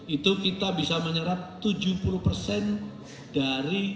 itu kita bisa menyerap tujuh puluh dari produksi atau tanaman